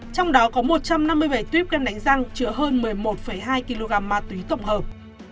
trong đó có một trăm năm mươi bảy tuyếp kem đánh răng chứa hơn một mươi một hai kg ma túy tổng hợp